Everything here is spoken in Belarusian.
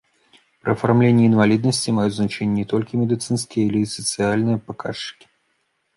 Пры афармленні інваліднасці маюць значэнне не толькі медыцынскія, але і сацыяльныя паказчыкі.